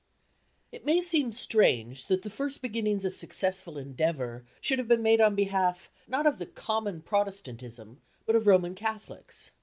It may seem strange that the first beginnings of successful endeavour should have been made on behalf not of the "common Protestantism," but of Roman Catholics.